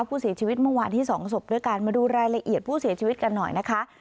ผู้เสียชีวิตเมื่อวานที่สองศพด้วยกันมาดูรายละเอียดผู้เสียชีวิตกันหน่อยนะคะ